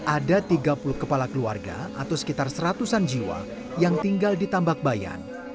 ada tiga puluh kepala keluarga atau sekitar seratusan jiwa yang tinggal di tambak bayan